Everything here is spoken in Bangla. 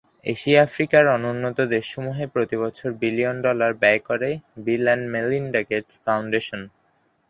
এশিয়া-আফ্রিকার অনুন্নত দেশসমূহে প্রতিবছর বিলিয়ন ডলার ব্যয় করে Bill and Melinda Gates foundation.